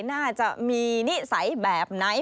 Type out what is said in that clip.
น่าจะมีนิสัยแบบไหน